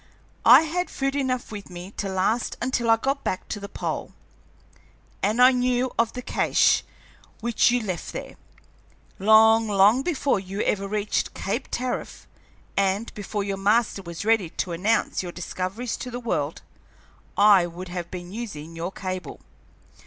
I had food enough with me to last until I got back to the pole, and I knew of the 'cache' which you left there. Long, long before you ever reached Cape Tariff, and before your master was ready to announce your discoveries to the world, I would have been using your cable.